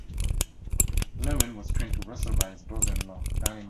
Lewin was trained to wrestle by his brother-in-law, Danny McShain.